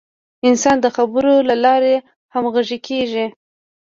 انسانان د خبرو له لارې همغږي کېږي.